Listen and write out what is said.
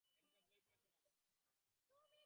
একটা বই পড়ে শোনান।